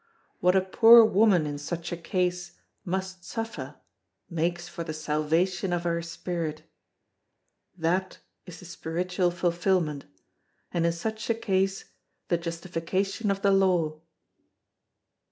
What a poor woman in such a case must suffer makes for the salvation of her spirit. That is the spiritual fulfilment, and in such a case the justification of the law."